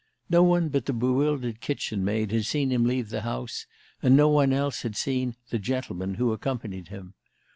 No one but the bewildered kitchen maid had seen him leave the house, and no one else had seen "the gentleman" who accompanied him.